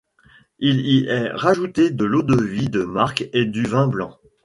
Il y est rajouté de l'eau-de-vie de marc et du vin blanc.